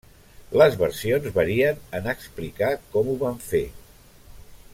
Les versions varien en explicar com ho van fer.